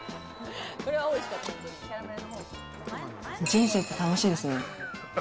人生って楽しいですね。